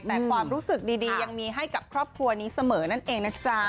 แต่ความรู้สึกดียังมีให้กับครอบครัวนี้เสมอนั่นเองนะจ๊ะ